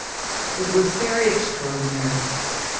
"It was very extraordinary.